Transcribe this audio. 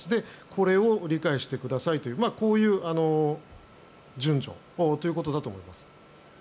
これを理解してくださいというこういう順序ということだと思います。